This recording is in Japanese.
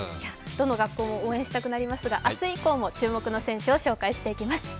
どの学校も応援したくなりますが、明日以降も注目の選手を紹介していきます。